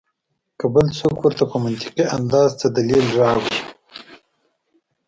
کۀ بل څوک ورته پۀ منطقي انداز څۀ دليل راوړي